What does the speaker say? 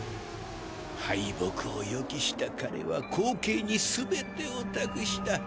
敗北を予期した彼は後継に全てを託した。